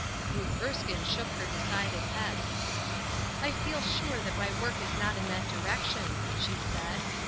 Ruth Erskine shook her decided head. "I feel sure that my work is not in that direction," she said.